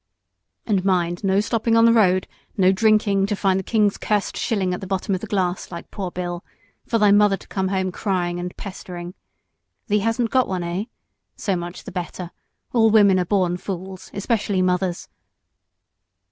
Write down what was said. "And mind! no stopping on the road. No drinking, to find the king's cursed shilling at the bottom of the glass, like poor Bill, for thy mother to come crying and pestering. Thee hasn't got one, eh? So much the better, all women are born fools, especially mothers."